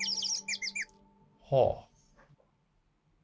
はあ。